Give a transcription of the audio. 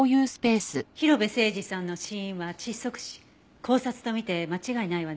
広辺誠児さんの死因は窒息死絞殺と見て間違いないわね。